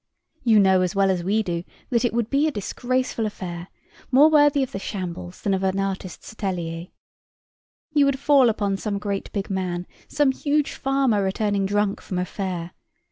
You know, as well as we do, that it would be a disgraceful affair, more worthy of the shambles than of an artist's attelier. He would fall upon some great big man, some huge farmer returning drunk from a fair.